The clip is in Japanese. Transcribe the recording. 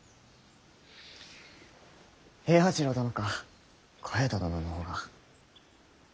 平八郎殿か小平太殿の方が。